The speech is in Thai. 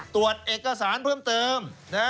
ตรวจเอกสารเพิ่มเติม